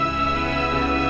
aku mau ke rumah